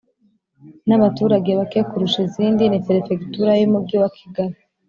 n'abaturage bake kurusha izindi ni perefegitura y'umugi wa kigali